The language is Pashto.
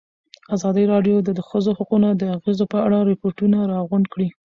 ازادي راډیو د د ښځو حقونه د اغېزو په اړه ریپوټونه راغونډ کړي.